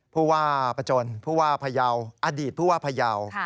ผู้ว่าประจนผู้ว่าพยาวอดีตผู้ว่าพยาว